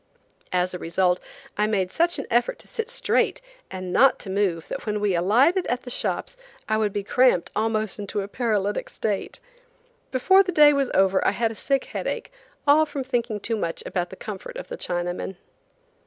As a result, I made such an effort to sit straight and not to move that when we alighted at the shops I would be cramped almost into a paralytic state. Before the day was over I had a sick headache, all from thinking too much about the comfort of the Chinamen.